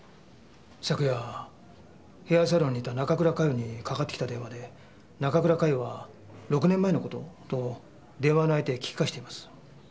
昨夜ヘアサロンにいた中倉佳世にかかってきた電話で中倉佳世は「６年前の事？」と電話の相手へ聞き返しています。